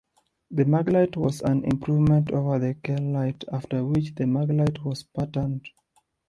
The Maglite was an improvement over the Kel-Lite, after which the Maglite was patterned.